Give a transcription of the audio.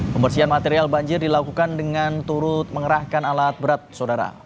pembersihan material banjir dilakukan dengan turut mengerahkan alat berat saudara